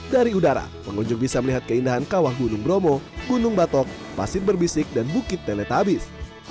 dari udara pengunjung bisa melihat keindahan kawah gunung bromo gunung batok pasir berbisik dan bukit teletabis